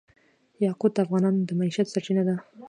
یاقوت د افغانانو د معیشت سرچینه ده.